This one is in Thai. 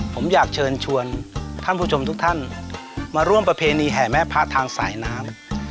ผมอยากเชิญชวนท่านผู้ชมทุกท่านมาร่วมประเพณีแห่แม่พระทางสายน้ำ